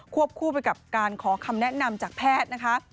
คู่ไปกับการขอคำแนะนำจากแพทย์นะคะ